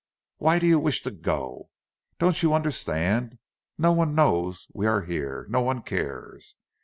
Why do you wish to go? Don't you understand—no one knows we are here—no one cares!